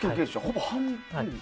ほぼ半分。